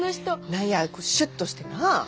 何やシュッとしてな。